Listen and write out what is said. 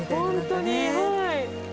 本当にはい。